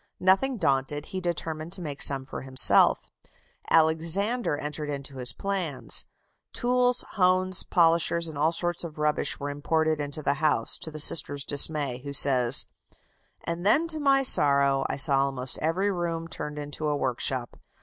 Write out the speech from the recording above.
Nothing daunted, he determined to make some for himself. Alexander entered into his plans: tools, hones, polishers, and all sorts of rubbish were imported into the house, to the sister's dismay, who says: [Illustration: FIG. 82. Principle of Newtonian reflector.] "And then, to my sorrow, I saw almost every room turned into a workshop.